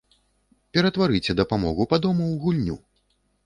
Ператварыце дапамогу па дому ў гульню.